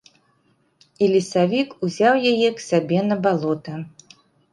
І лесавік узяў яе к сабе на балота.